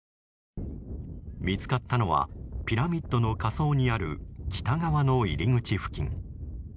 見つかったのはピラミッドの下層にある北側の入り口付近。